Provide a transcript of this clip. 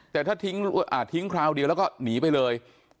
แต่ถ้าทิ้งคราวเดียวแล้วก็หนีไปเลย